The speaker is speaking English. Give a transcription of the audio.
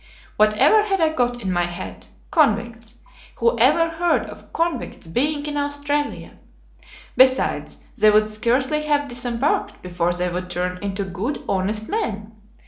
"Whatever had I got in my head? Convicts! who ever heard of convicts being in Australia? Besides, they would scarcely have disembarked before they would turn into good, honest men.